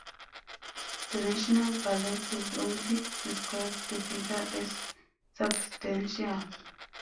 The National Ballet would only describe the figure as substantial.